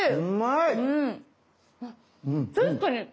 あ確かに。